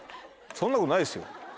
そんなことないですよ。